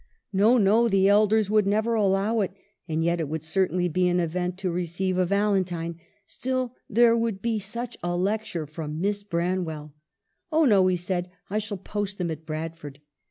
GIRLHOOD AT HA WORTH. 95 " No, no, the elders would never allow it, and yet it would certainly be an event to receive a valentine ; still, there would be such a lecture from Miss Branwell." " Oh no," he said, " I shall post them at Bradford."